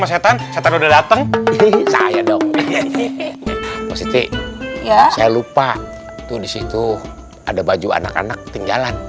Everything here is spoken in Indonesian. setan setan udah datang saya dong ini m li gila saya lupa tuh disitu ada baju anak anak tinggalan